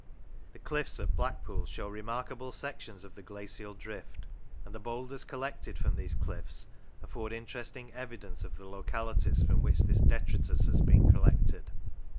The cliffs at Blackpool show remarkable sections of the glacial drift, and the boulders collected from these cliffs afford interesting evidence of the localities from which this detritus has been collected.